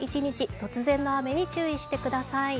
突然の雨に注意してください。